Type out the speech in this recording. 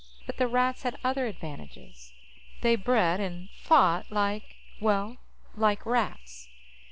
But the Rats had other advantages they bred and fought like, well, like rats.